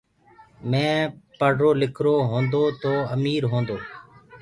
مي پڙهرو لکرو هونٚدو تو امير هونٚدو